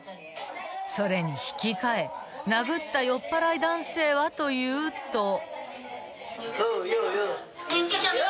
［それに引き換え殴った酔っぱらい男性はというと］